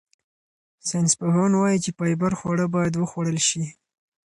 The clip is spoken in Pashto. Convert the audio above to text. ساینسپوهان وايي چې فایبر خواړه باید وخوړل شي.